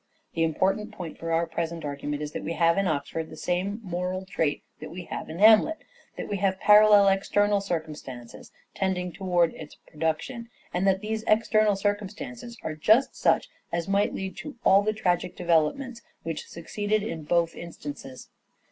The important point for our present argument is that we have in Oxford the same moral trait that we have in Hamlet, that we have parallel external circumstances tending towards its production, and that these external circumstances are just such as might lead to all the tragic developments which DRAMATIC SELF REVELATION 469 succeeded in both instances.